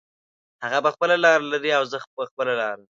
هغه به خپله لار لري او زه به خپله لاره